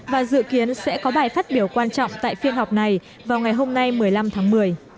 và dự kiến sẽ có bài phát biểu quan trọng tại phiên họp này vào ngày hôm nay một mươi năm tháng một mươi